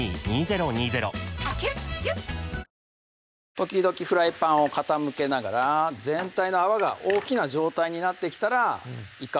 時々フライパンを傾けながら全体の泡が大きな状態になってきたらいか